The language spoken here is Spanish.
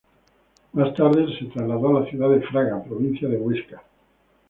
Más tarde se trasladó a la ciudad de Fraga, provincia de Huesca.